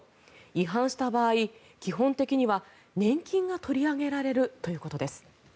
違反した場合、基本的には年金が取り上げられるということです。